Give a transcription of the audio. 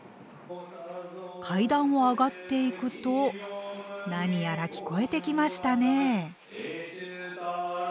階段を上がっていくと何やら聞こえてきましたね。